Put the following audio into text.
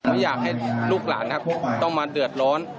ไม่อยากให้ลูกหลานต้องมาเดือดร้อน